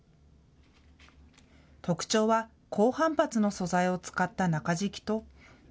特徴は高反発の素材を使った中敷きと。